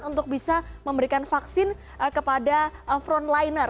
untuk bisa memberikan vaksin kepada frontliner